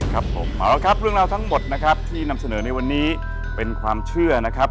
ครับผมเอาละครับเรื่องราวทั้งหมดนะครับที่นำเสนอในวันนี้เป็นความเชื่อนะครับ